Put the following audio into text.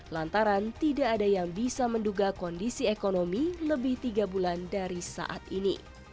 lantaran tidak ada yang bisa menduga kondisi ekonomi lebih tiga bulan dari saat ini